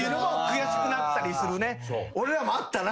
俺らもあったな。